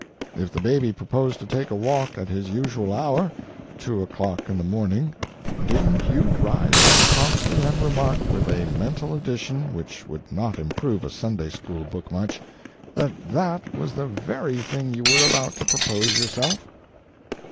If the baby proposed to take a walk at his usual hour, two o'clock in the morning, didn't you rise up promptly and remark, with a mental addition which would not improve a Sunday school book much, that that was the very thing you were about to propose yourself?